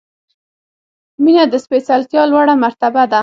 • مینه د سپېڅلتیا لوړه مرتبه ده.